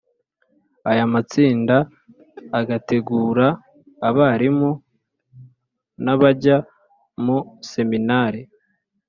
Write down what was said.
ayo matsinda agategura abarimu n'abajya mu seminari.